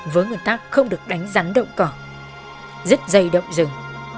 với nguyên tắc không được đánh rắn động cỏ dứt dây động rừng